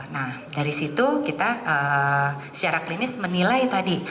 nah dari situ kita secara klinis menilai tadi